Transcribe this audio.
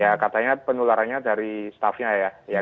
ya katanya penularannya dari staffnya ya